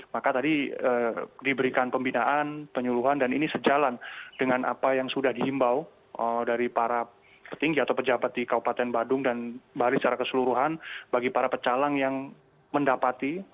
maka tadi diberikan pembinaan penyuluhan dan ini sejalan dengan apa yang sudah dihimbau dari para petinggi atau pejabat di kabupaten badung dan bali secara keseluruhan bagi para pecalang yang mendapati